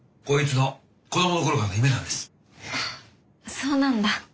そうなんだ。